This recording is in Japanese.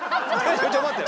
ちょっと待ってよ。